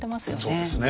そうですね。